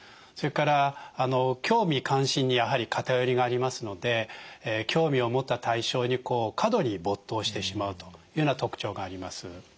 それから興味関心にやはり偏りがありますので興味を持った対象に過度に没頭してしまうというような特徴があります。